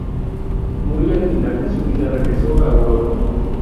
Muy al final de su vida regresó a Europa.